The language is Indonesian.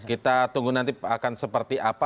kita tunggu nanti akan seperti apa